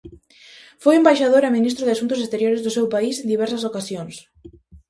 Foi embaixador e ministro de Asuntos Exteriores do seu país en diversas ocasións.